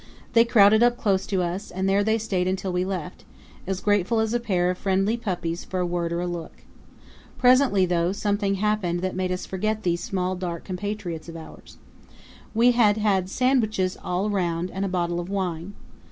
They crowded up close to us and there they stayed until we left, as grateful as a pair of friendly puppies for a word or a look. Presently, though, something happened that made us forget these small dark compatriots of ours. We had had sandwiches all round and a bottle of wine.